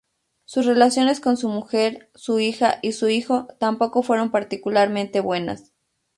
Sus relaciones con su mujer, su hija y su hijo tampoco fueron particularmente buenas.